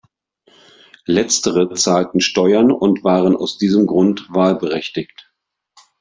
Letztere zahlten Steuern und waren aus diesem Grund wahlberechtigt.